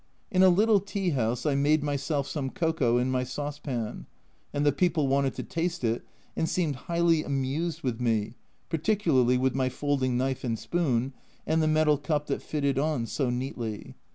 In a little tea house I made myself some cocoa in my saucepan, and the people wanted to taste it, and seemed highly amused with me, particularly with my folding knife and spoon, and the metal cup that fitted on so neatly.